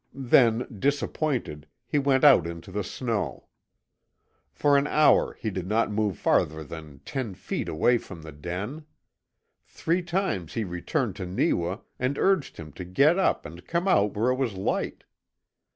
Then, disappointed, he went out into the snow. For an hour he did not move farther than ten feet away from the den. Three times he returned to Neewa and urged him to get up and come out where it was light.